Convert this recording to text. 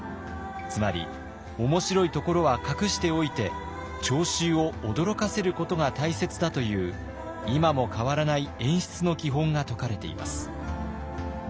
つまり面白いところは隠しておいて聴衆を驚かせることが大切だという今も変わらない演出の基本が説かれています。